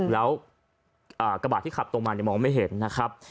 แล้วกระบาดที่ขับตรงมามองไม่เห็นนะครับ